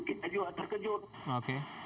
kita juga terkejut